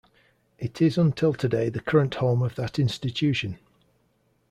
It is until today the current home of that institution.